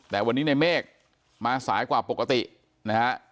แต่วันนี้ในเมฆมาสายกว่าปกตินะฮะ